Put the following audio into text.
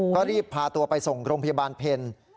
ก็รีบพาตัวไปส่งโรงพยาบาลเพล